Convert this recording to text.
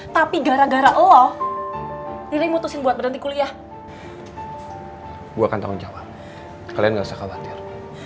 kalian gak usah khawatir